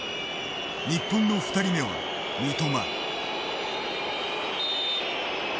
日本の２人目は三笘。